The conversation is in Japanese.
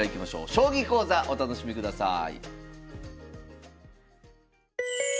将棋講座お楽しみください。